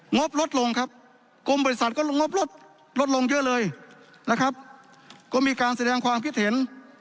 งบลดลงครับกรมบริษัทก็ลงงบลดลดลงเยอะเลยนะครับก็มีการแสดงความคิดเห็น